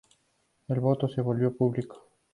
El voto se volvió público.